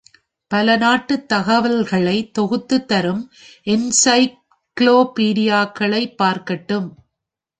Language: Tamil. பல நாட்டுத் தகவல்களைத் தொகுத்துத் தரும் என்சைக்ளோபீடியாக்களைப் பார்க்கட்டும்.